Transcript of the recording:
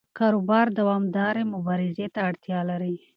کاروبار دوامدارې مبارزې ته اړتیا لري.